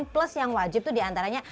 plus yang wajib itu diantaranya